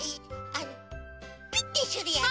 あのピッてするやつね。